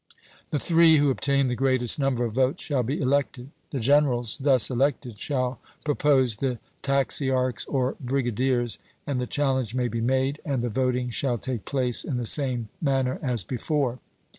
The three who obtain the greatest number of votes shall be elected. The generals thus elected shall propose the taxiarchs or brigadiers, and the challenge may be made, and the voting shall take place, in the same manner as before.